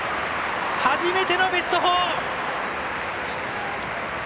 初めてのベスト４！